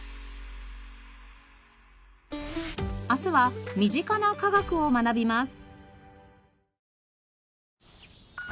明日は身近な科学を学びます。